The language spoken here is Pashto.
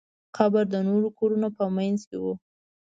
قبر د کورونو په منځ کې و.